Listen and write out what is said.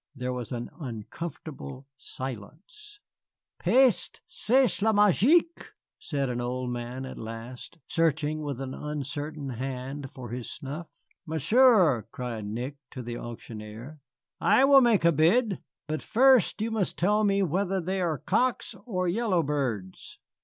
There was an uncomfortable silence. "Peste, c'est la magie!" said an old man at last, searching with an uncertain hand for his snuff. "Monsieur," cried Nick to the auctioneer, "I will make a bid. But first you must tell me whether they are cocks or yellow birds."